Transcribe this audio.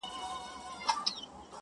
اوس مي حافظه ډيره قوي گلي,